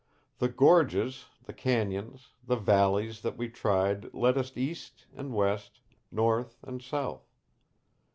The gorges, the canyons, the valleys that we tried led us east and west, north and south.